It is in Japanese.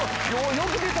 よく出た！